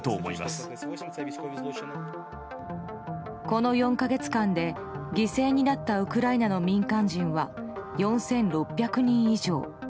この４か月間で犠牲になったウクライナの民間人は４６００人以上。